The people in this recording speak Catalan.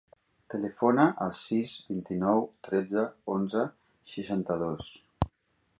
Telefona al sis, vint-i-nou, tretze, onze, seixanta-dos.